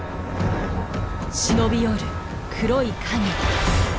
忍び寄る黒い影。